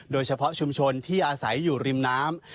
โดยเฉพาะชุมชนที่อาศัยอยู่ริมน้ำ